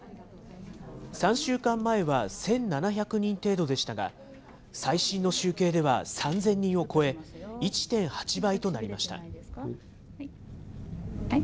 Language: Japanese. ３週間前は１７００人程度でしたが、最新の集計では３０００人を終わりです。